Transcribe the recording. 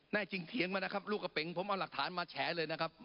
จริงเถียงมานะครับลูกกระเป๋งผมเอาหลักฐานมาแฉเลยนะครับ